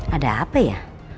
ada apa ya